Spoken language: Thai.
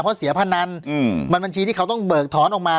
เพราะเสียพนันมันบัญชีที่เขาต้องเบิกถอนออกมา